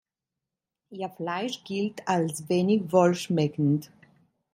Ihr Fleisch gilt als wenig wohlschmeckend.